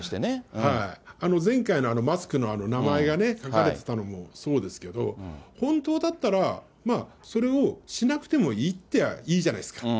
前回のマスクの名前がね、書かれてたのもそうですけど、本当だったら、それをしなくてもいいっちゃいいじゃないですか。